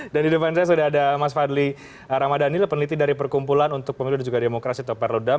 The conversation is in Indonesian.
dan di depan saya sudah ada mas fadli ramadhani peneliti dari perkumpulan untuk pemilu dan demokratis topper lodam